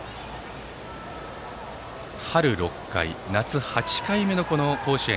春６回、夏８回目の甲子園。